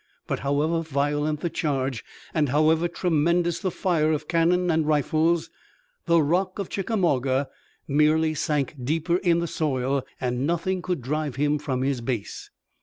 But however violent the charge, and however tremendous the fire of cannon and rifles, the Rock of Chickamauga merely sank deeper in the soil, and nothing could drive him from his base.